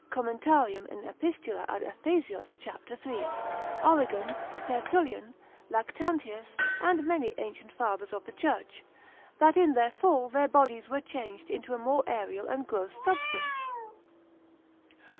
Comment. in epist. ad Ephes. cap. 3, Origen, Tertullian, Lactantius, and many ancient Fathers of the Church: that in their fall their bodies were changed into a more aerial and gross substance.